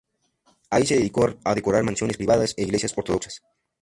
Ahí se dedicó a decorar mansiones privadas e iglesias ortodoxas.